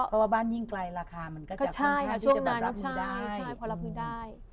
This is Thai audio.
เพราะว่าบ้านยิ่งไกลราคามันก็จะคุ้มค่าที่จะรับมือได้